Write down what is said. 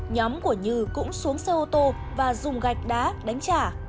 nhóm của như cũng xuống xe ô tô và dùng gạch đá đánh trả